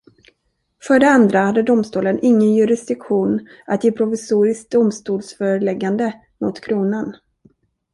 För det andra hade domstolen ingen jurisdiktion att ge provisoriskt domstolsföreläggande mot Kronan.